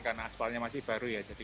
karena asfalnya masih baru ya jadi